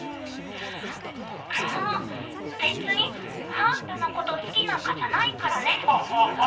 もう、別にあんたのこと好きなんかじゃないからね。